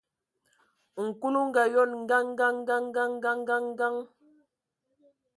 Nkul o ngaayon: Kəŋ, kəŋ, kəŋ, kəŋ, kəŋ!.